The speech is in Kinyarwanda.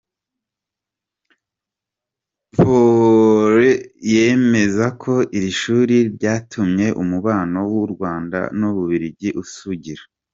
Pauwels yemeza ko iri shuri ryatumye umubano w’u Rwanda n’u Bubiligi usugira.